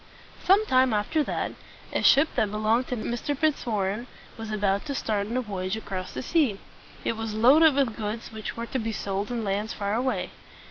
Some time after that, a ship that belonged to Mr. Fitzwarren was about to start on a voyage across the sea. It was loaded with goods which were to be sold in lands far away.